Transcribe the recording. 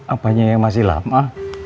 apanya yang masih lama